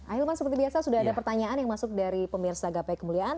ahilman seperti biasa sudah ada pertanyaan yang masuk dari pemirsa gapai kemuliaan